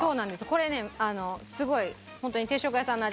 これねすごいホントに定食屋さんの味になる。